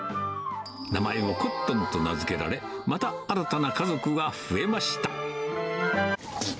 名前をコットンと名付けられ、また新たな家族が増えました。